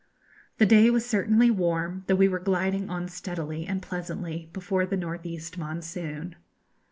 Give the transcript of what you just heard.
The day was certainly warm, though we were gliding on steadily and pleasantly before the north east monsoon.